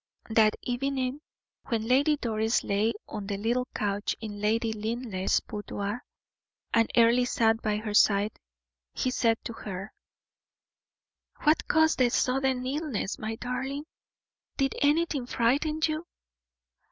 That evening when Lady Doris lay on the little couch in Lady Linleigh's boudoir, and Earle sat by her side, he said to her: "What caused that sudden illness, my darling? Did anything frighten you?"